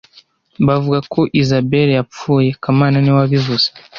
Bavuga ko Isabela yapfuye kamana niwe wabivuze